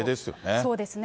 そうですね。